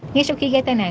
ngay sau khi gây tai nạn